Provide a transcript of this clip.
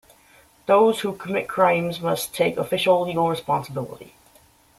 Those who commit crimes must take official, legal responsibility.